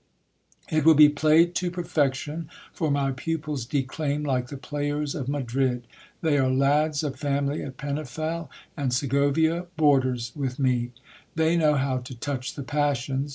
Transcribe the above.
It will be played to per fection, for my pupils declaim like the players of Madrid. They are lads of family at Penafiel and Segovia, boarders with me. They know how to touch the passions